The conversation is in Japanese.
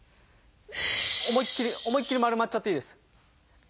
思いっきり思いっきり丸まっちゃっていいです。